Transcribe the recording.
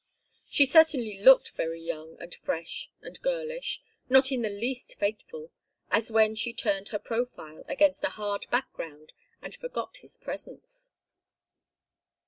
She certainly looked very young and fresh and girlish, not in the least fateful, as when she turned her profile against a hard background and forgot his presence.